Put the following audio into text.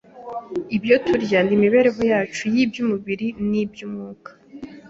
ibyo turya n’imibereho yacu y’iby’umubiri n’iby’umwuka.